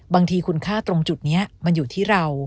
บางทีคุณค่าตรงจุดนี้มันอยู่ที่เรา